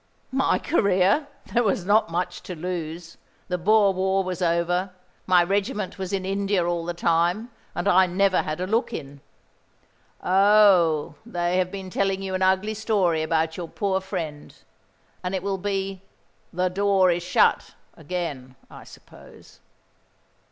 "My career! There was not much to lose. The Boer War was over; my regiment was in India all the time, and I never had a look in. Oh, they have been telling you an ugly story about your poor friend; and it will be 'The door is shut' again, I suppose."